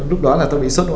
lúc đó là tôi bị sốt